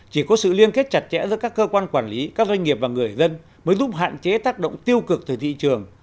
chỉ có sự liên kết chặt chẽ giữa các cơ quan quản lý các doanh nghiệp và người dân mới giúp hạn chế tác động tiêu cực từ thị trường